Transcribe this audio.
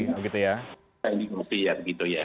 ada indikasi ya begitu ya